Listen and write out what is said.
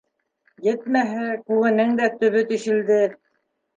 Етмәһә, күгенең дә төбө тишелде.